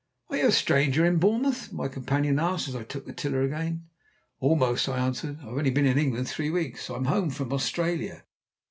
"Are you a stranger in Bournemouth?" my companion asked, as I took the tiller again. "Almost," I answered. "I've only been in England three weeks. I'm home from Australia."